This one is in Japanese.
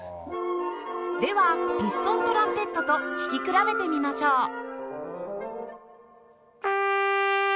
ではピストントランペットと聴き比べてみましょう